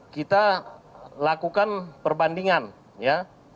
kita lakukan perbandingan ya